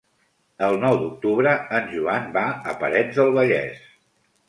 El nou d'octubre en Joan va a Parets del Vallès.